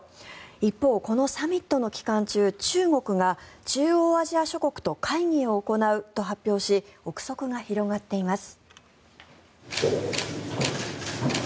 一方、このサミットの期間中中国が中央アジア諸国と会議を行うと発表し臆測が広がっています。